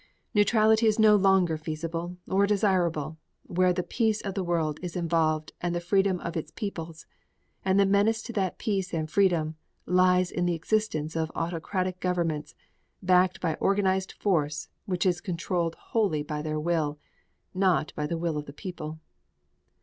Neutrality is no longer feasible or desirable where the peace of the world is involved and the freedom of its peoples, and the menace to that peace and freedom lies in the existence of autocratic governments backed by organized force which is controlled wholly by their will, not by the will of their people.